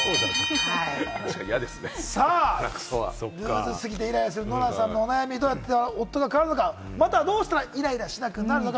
ルーズすぎてイライラするノラさんのお悩み、夫は変わるのか、またどうしたらイライラしなくなるのか？